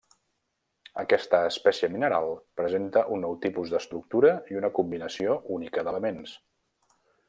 Aquesta espècie mineral presenta un nou tipus d'estructura i una combinació única d'elements.